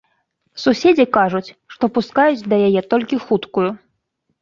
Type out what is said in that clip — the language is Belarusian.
Суседзі кажуць, што пускаюць да яе толькі хуткую.